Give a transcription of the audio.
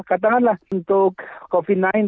katakanlah untuk covid sembilan belas